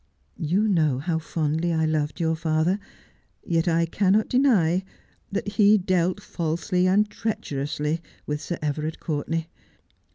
You know how fondly I loved your father ! yet I cannot deny that he dealt falsely and treacherously with Sir Everard Courtenay.